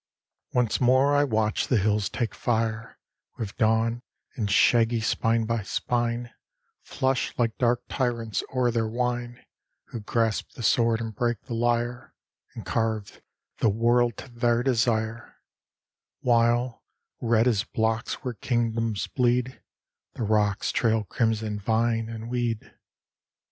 IX Once more I watch the hills take fire With dawn; and, shaggy spine by spine, Flush like dark tyrants o'er their wine, Who grasp the sword and break the lyre, And carve the world to their desire; While, red as blocks where kingdoms bleed, The rocks trail crimson vine and weed.